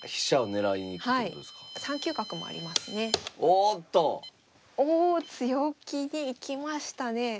お強気で行きましたね。